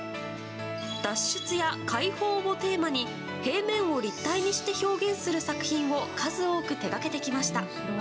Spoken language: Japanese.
脱出や解放をテーマに平面を立体にして表現する作品を数多く手掛けてきました。